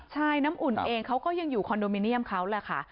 ใช่น้ำอุ่นเองเขาก็ยังอยู่คอนโดมิเนียมเขาแหละค่ะ